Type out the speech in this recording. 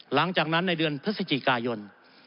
หลังจากนั้นในเดือนพฤศจิกายน